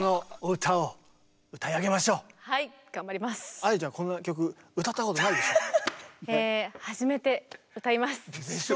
愛理ちゃんこんな曲歌ったことないでしょう？えでしょ。